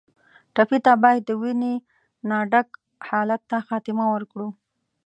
ټپي ته باید د وینې نه ډک حالت ته خاتمه ورکړو.